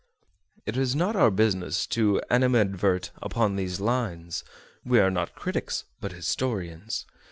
It is not our business to animadvert upon these lines; we are not critics, but historians.